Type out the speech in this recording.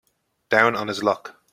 Down on his luck.